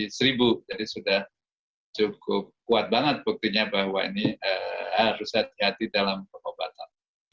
dari seribu jadi sudah cukup kuat banget buktinya bahwa ini harus hati hati dalam pengobatan